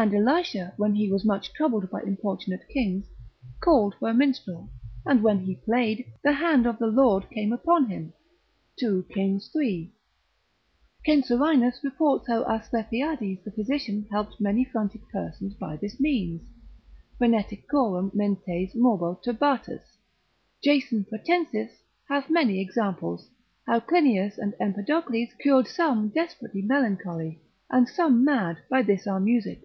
and Elisha when he was much troubled by importunate kings, called for a minstrel, and when he played, the hand of the Lord came upon him, 2 Kings iii. Censorinus de natali, cap. 12. reports how Asclepiades the physician helped many frantic persons by this means, phreneticorum mentes morbo turbatas—Jason Pratensis, cap. de Mania, hath many examples, how Clinias and Empedocles cured some desperately melancholy, and some mad by this our music.